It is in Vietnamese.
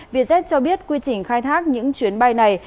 việt z cho biết quy trình khai thác những chuyến bay này